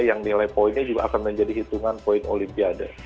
yang nilai poinnya juga akan menjadi hitungan poin olimpiade